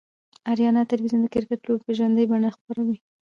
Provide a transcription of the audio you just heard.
آریانا تلویزیون دکرکټ لوبې به ژوندۍ بڼه خپروي